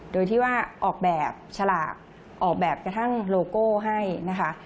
โดยที่ว่าออกแบบฉลากออกแบบกระทั่งโลโก้ให้นะคะ